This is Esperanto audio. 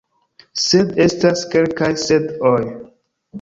Sed – estas kelkaj sed-oj.